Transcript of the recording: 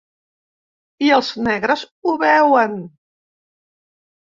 I els negres ho veuen.